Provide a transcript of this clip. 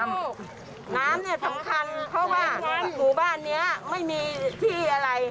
น้ำสำคัญเพราะว่าสู่บ้านนี้ไม่มีที่อะไร